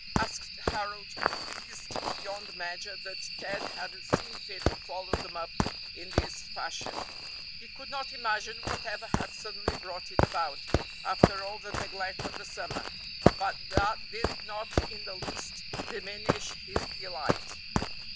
asked Harold, pleased beyond measure that Ted had seen fit to follow them up in this fashion. He could not imagine whatever had suddenly brought it about, after all the neglect of the summer; but that did not in the least diminish his delight.